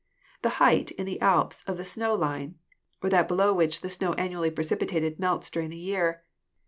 "The height, in the Alps, of the snow line, or that below which the snow annually precipitated melts during the year.